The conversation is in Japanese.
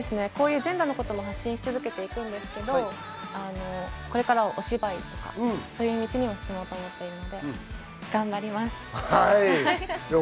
ジェンダーの事も発信し続けていきますけれど、これからはお芝居とか、そういう道にも進もうと思っているので頑張ります。